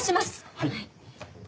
はい。